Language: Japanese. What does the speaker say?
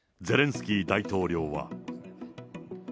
ゼレンスキー大統領は。